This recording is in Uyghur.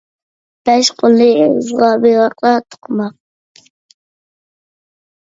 بەش قولنى ئېغىزغا بىراقلا تىقماق